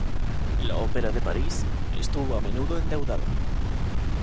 La Ópera de París estuvo a menudo endeudada.